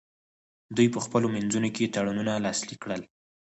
دوی په خپلو منځونو کې تړونونه لاسلیک کړل